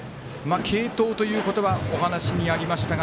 継投ということはお話にありましたが。